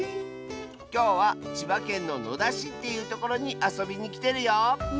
きょうは千葉県の野田市っていうところにあそびにきてるよ。